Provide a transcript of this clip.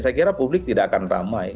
saya kira publik tidak akan ramai